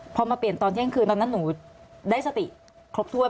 พอมาเปลี่ยนตอนเที่ยงคืนตอนนั้นหนูได้สติครบถ้วน